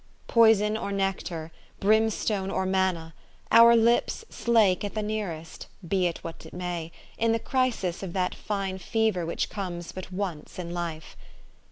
Poison or nectar, brimstone or manna, our lipa slake at the nearest, be it what it may, in the crisis of that fine fever which comes but once in life.